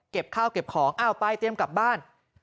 เก็บข้าวเก็บของเอาไปเตรียมกลับบ้าน